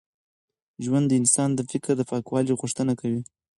ژوند د انسان د فکر د پاکوالي غوښتنه کوي.